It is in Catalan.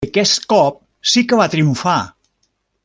I aquest cop sí que va triomfar.